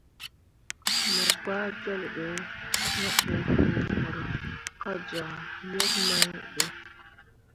Mo gɓah jol be ne ɓə foo mor ka joŋ yebmain ɗə.